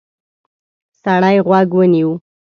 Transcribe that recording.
سړی غوږ ونیو.